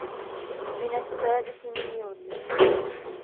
من السادس من يوليو